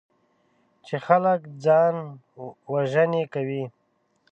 چې خلک ځانوژنې کوي.